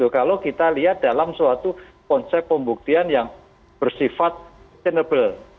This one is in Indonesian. kalau kita lihat dalam suatu konsep pembuktian yang bersifat senable